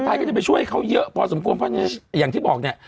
ก็จะไปช่วยเขาเยอะพอสมควรเพราะฉะนั้นอย่างที่บอกเนี่ย